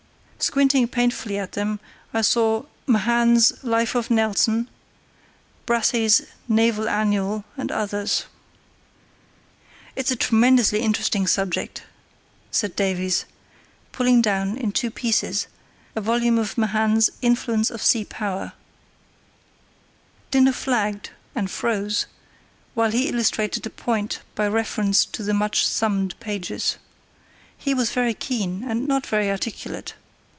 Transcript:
Squinting painfully at them I saw Mahan's Life of Nelson, Brassey's Naval Annual, and others. "It's a tremendously interesting subject," said Davies, pulling down (in two pieces) a volume of Mahan's Influence of Sea Power. Dinner flagged (and froze) while he illustrated a point by reference to the much thumbed pages. He was very keen, and not very articulate.